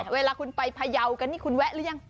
เวลาคุณไปเพยากันคุณแวะรึยัง